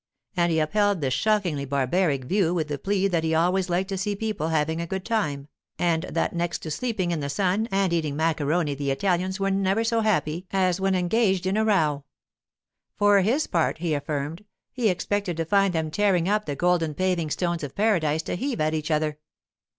And he upheld this shockingly barbaric view with the plea that he always liked to see people having a good time, and that next to sleeping in the sun and eating macaroni the Italians were never so happy as when engaged in a row. For his part, he affirmed, he expected to find them tearing up the golden paving stones of paradise to heave at each other!